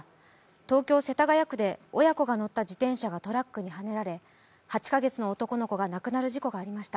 東京・世田谷区で親子が乗った自転車がトラックにはねられ８カ月の男の子が亡くなる事故がありました。